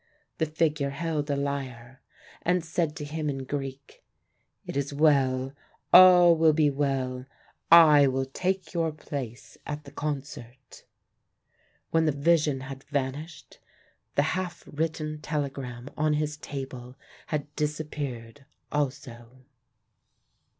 The figure held a lyre, and said to him in Greek: "It is well. All will be well. I will take your place at the concert!" When the vision had vanished, the half written telegram on his table had disappeared also.